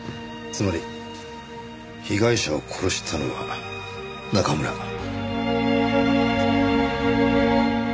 つまり被害者を殺したのは中村。